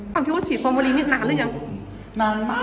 ความที่ว่าฉีดฟอร์มวอลีนี่นานแล้วยัง